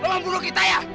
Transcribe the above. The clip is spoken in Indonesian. lo mau bunuh kita ya